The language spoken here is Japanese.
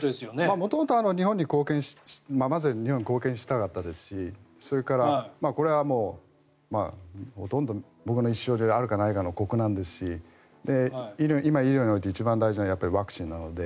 元々、まずは日本に貢献したかったですしそれからこれは僕の一生であるかないかの国難ですし今、医療において一番大事なのはやっぱりワクチンなので。